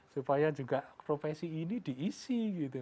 supaya juga profesi ini diisi gitu